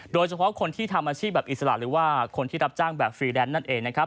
โดยเฉพาะคนที่ทำอาชีพแบบอิสระหรือว่าคนที่รับจ้างแบบฟรีแลนซ์นั่นเองนะครับ